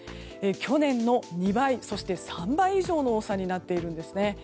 去年の２倍、そして３倍以上の多さになっているんですね。